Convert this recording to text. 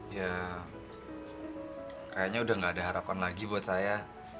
ya kayaknya udah gak ada harapan lagi buat saya